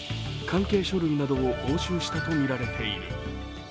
関係書類などを押収したとみられている。